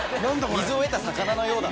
水を得た魚のようだ。